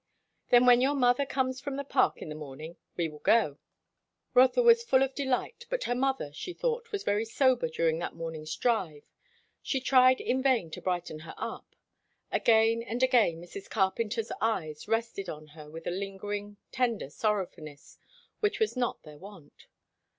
"Then when your mother comes from the Park in the morning, we will go." Rotha was full of delight. But her mother, she thought, was very sober during that morning's drive; she tried in vain to brighten her up. Again and again Mrs. Carpenter's eyes rested on her with a lingering, tender sorrowfulness, which was not their wont.